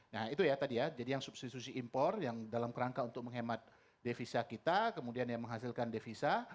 nah itu ya tadi ya jadi yang substitusi impor yang dalam kerangka untuk menghemat devisa kita kemudian yang menghasilkan devisa